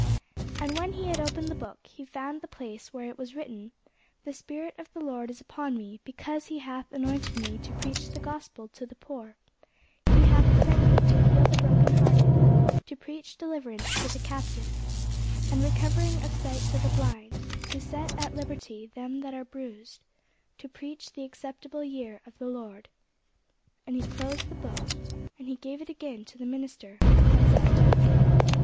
And when he had opened the book, he found the place where it was written, The Spirit of the Lord is upon me, because he hath anointed me to preach the gospel to the poor; he hath sent me to heal the brokenhearted, to preach deliverance to the captives, and recovering of sight to the blind, to set at liberty them that are bruised, to preach the acceptable year of the Lord. And he closed the book, and he gave it again to the minister, and sat down.